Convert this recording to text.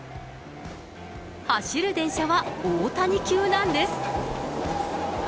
走る電車は大谷級なんです。